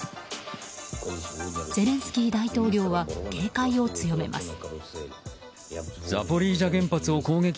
ゼレンスキー大統領は警戒を強めます。